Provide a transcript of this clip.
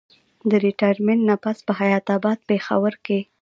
د ريټائرمنټ نه پس پۀ حيات اباد پېښور کښې